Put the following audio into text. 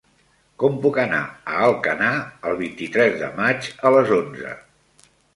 Com puc anar a Alcanar el vint-i-tres de maig a les onze?